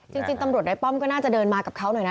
จริงตำรวจในป้อมก็น่าจะเดินมากับเขาหน่อยนะ